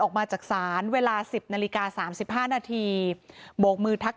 ออกมาจากศาลเวลาสิบนาฬิกาสามสิบห้านาทีโบกมือทัก